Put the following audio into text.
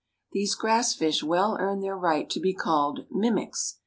These grass fish well earn their right to be called "mimics."